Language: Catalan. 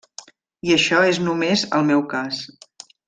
I això és només el meu cas.